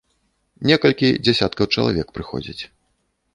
Некалькі дзясяткаў чалавек прыходзяць.